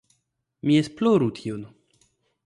mi esploru tion.